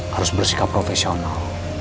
harus bersikap profesional